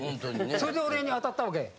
それで俺に当たったわけ？